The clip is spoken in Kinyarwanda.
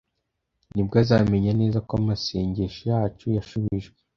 nibwo azamenya neza ko amasengesho yacu yashubijwe.